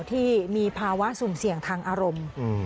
ที่มีภาวะสุ่มเสี่ยงทางอารมณ์